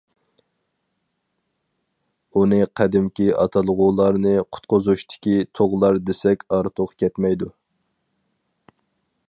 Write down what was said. ئۇنى قەدىمكى ئاتالغۇلارنى قۇتقۇزۇشتىكى تۇغلار دېسەك ئارتۇق كەتمەيدۇ.